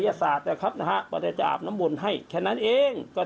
พระอาจารย์ออสบอกว่าอาการของคุณแป๋วผู้เสียหายคนนี้อาจจะเกิดจากหลายสิ่งประกอบกัน